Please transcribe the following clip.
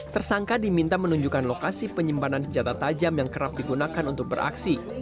tersangka diminta menunjukkan lokasi penyimpanan senjata tajam yang kerap digunakan untuk beraksi